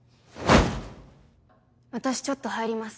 私ちょっと入ります。